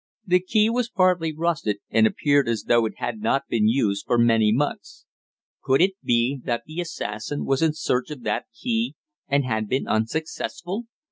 The key was partly rusted, and appeared as though it had not been used for many months. Could it be that the assassin was in search of that key and had been unsuccessful?